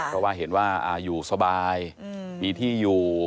เพราะว่าเห็นว่าอยู่สบายมีที่อยู่